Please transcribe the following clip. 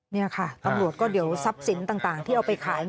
นี่ค่ะตำรวจก็เดี๋ยวทรัพย์สินต่างที่เอาไปขาย